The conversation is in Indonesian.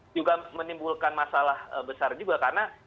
juga menimbulkan masalah besar juga karena